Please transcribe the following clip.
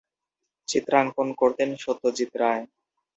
চিত্রাঙ্কন করতেন সত্যজিৎ রায়।